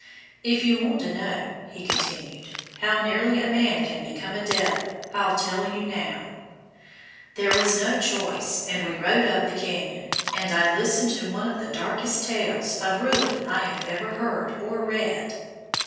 "If you want to know," he continued, "how nearly a man can become a devil, I'll tell you now." There was no choice, and we rode up the canyon, and I listened to one of the darkest tales of ruin I have ever heard or read.